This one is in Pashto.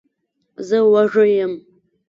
زه وږی یم.